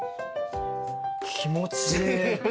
気持ちいい。